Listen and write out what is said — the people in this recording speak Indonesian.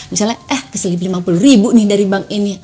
misalnya eh kasih lima puluh ribu nih dari bank ini